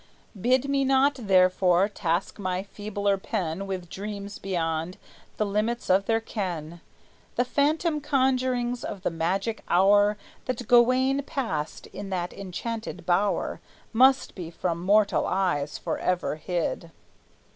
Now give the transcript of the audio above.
Bid me not, therefore, task my feebler pen With dreams beyond the limits of their ken; The phantom conjurings of the magic hour That Gawayne passed in that enchanted bower Must be from mortal eyes forever hid.